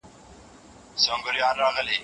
تر پایه مي خپلي ټولي پروژي خلاصي کړي وي.